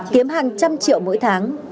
kiếm hàng trăm triệu mỗi tháng